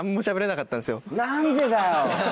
何でだよ！